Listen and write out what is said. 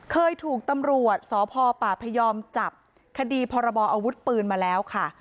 เคยถูกตำรวจสพปพยอมจับคดีพรบออาวุธปืนมาแล้วค่ะ